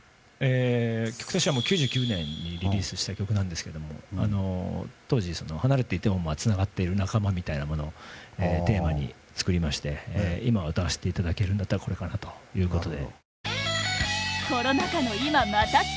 曲としてはもう９９年にリリースした曲なんですけども当時離れていても繋がっている仲間みたいなものをテーマに作りまして今歌わせて頂けるんだったらこれかなという事で。